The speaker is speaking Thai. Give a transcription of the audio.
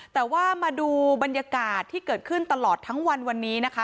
แต่ว่ามาดูบรรยากาศที่เกิดขึ้นตลอดทั้งวันวันนี้นะคะ